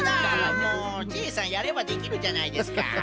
もうジェイさんやればできるじゃないですか。